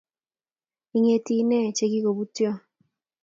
Ingeeti inne chegikobutyo